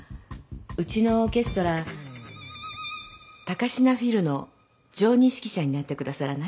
うちのオーケストラ高階フィルの常任指揮者になってくださらない？